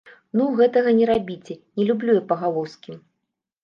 Ну, гэтага не рабіце, не люблю я пагалоскі.